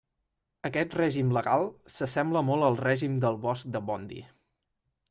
Aquest règim legal s'assembla molt al règim del bosc de Bondy!